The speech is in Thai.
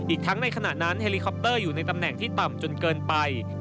ทั้งในขณะนั้นเฮลิคอปเตอร์อยู่ในตำแหน่งที่ต่ำจนเกินไป